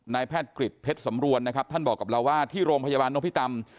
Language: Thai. แพทย์กริจเพชรสำรวนนะครับท่านบอกกับเราว่าที่โรงพยาบาลนพิตำ